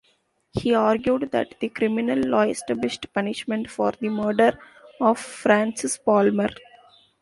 He argued that the criminal law established punishment for the murder of Francis Palmer.